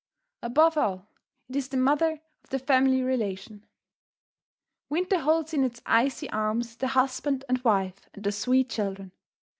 Above all, it is the mother of the family relation. Winter holds in its icy arms the husband and wife and the sweet children.